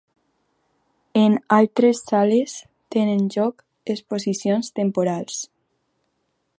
En altres sales tenen lloc exposicions temporals.